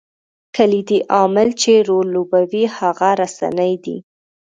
کلیدي عامل چې رول لوبوي هغه رسنۍ دي.